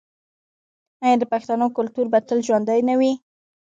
آیا د پښتنو کلتور به تل ژوندی نه وي؟